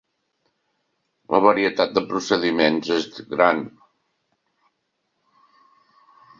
La varietat de procediments és gran.